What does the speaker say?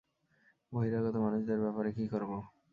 বহিরাগত মানুষদের ব্যাপারে কী করবো?